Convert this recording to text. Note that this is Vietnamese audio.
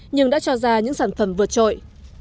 nhưng đã cho ra những sản phẩm vượt trội